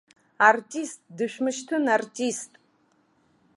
Артист, дышәмышьҭын, артист!